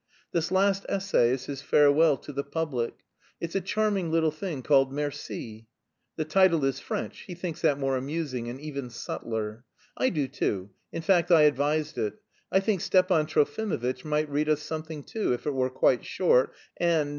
This last essay is his farewell to the public. It's a charming little thing called 'Merci.' The title is French; he thinks that more amusing and even subtler. I do, too. In fact I advised it. I think Stepan Trofimovitch might read us something too, if it were quite short and...